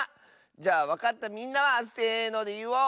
じゃあわかったみんなはせのでいおう！